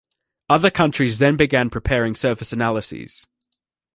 Other countries then began preparing surface analyses.